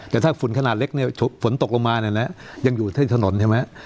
แต่ถ้าฝุ่นขนาดเล็กเนี่ยฝนตกลงมาเนี่ยนะยังอยู่ที่ถนนใช่ไหม